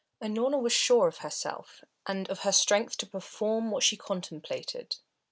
Unorna was sure of herself, and of her strength to perform what she contemplated.